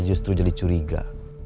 saya justru jadi curiga